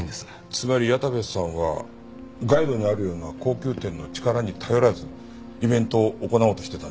つまり矢田部さんはガイドにあるような高級店の力に頼らずイベントを行おうとしてたんですか？